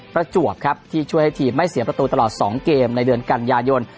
พระจวบครับที่ช่วยที่ไม่เสียประตูตลอดสองเกมในเดือนกัญญาณยนต์